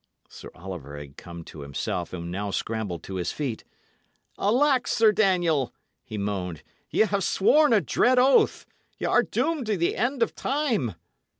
Sir Oliver had come to himself, and now scrambled to his feet. "Alack, Sir Daniel!" he moaned, "y' 'ave sworn a dread oath; y' are doomed to the end of time."